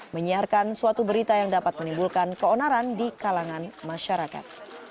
menyiarkan suatu berita yang dapat menimbulkan keonaran di kalangan masyarakat